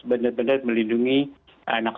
benar benar melindungi anak